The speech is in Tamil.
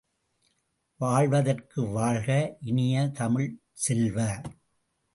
வாழ்வாங்கு வாழ்க இனிய தமிழ்ச் செல்வ!